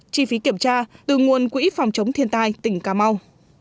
chi phí kiểm tra từ nguồn quỹ phòng chống thiên tai tỉnh cà mau